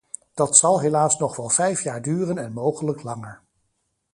Dat zal helaas nog wel vijf jaar duren en mogelijk langer.